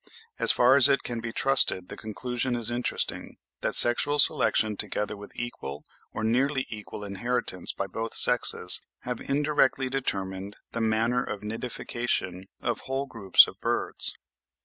As far as it can be trusted, the conclusion is interesting, that sexual selection together with equal or nearly equal inheritance by both sexes, have indirectly determined the manner of nidification of whole groups of birds.